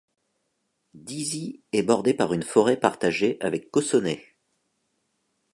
Dizy est bordé par une forêt partagée avec Cossonay.